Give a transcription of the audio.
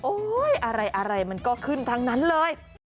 อะไรมันก็ขึ้นทั้งนั้นเลย